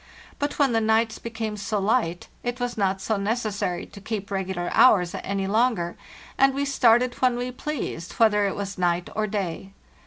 But when the nights became so light, it was not so necessary to keep regular hours any longer, and we started when we pleased, whether it was night or day.